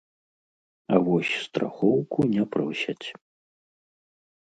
А вось страхоўку не просяць.